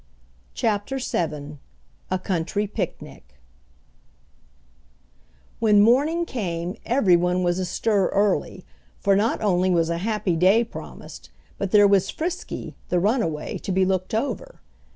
CHAPTER VII A COUNTRY PICNIC When morning came everyone was astir early, for not only was a happy day promised, but there was Frisky, the runaway, to be looked over.